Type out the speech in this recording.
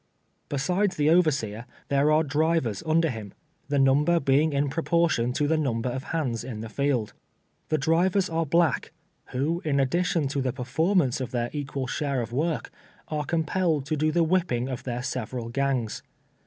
Besides tlie overseer, there are drivers under him, the number being in proportion to the number of liands in the field. The drivers are black, who, in addition to the performance of their equal share of work, are compelled to do the whipping of their several gangs.